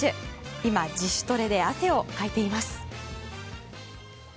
今、自主トレで汗をかいています。